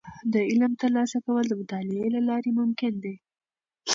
د علم ترلاسه کول د مطالعې له لارې ممکن دي.